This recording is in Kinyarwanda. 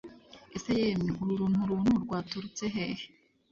ese yemwe uru runturuntu rwaturutse hehe